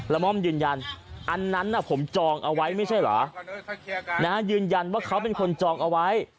ม่อมยืนยันอันนั้นผมจองเอาไว้ไม่ใช่เหรอยืนยันว่าเขาเป็นคนจองเอาไว้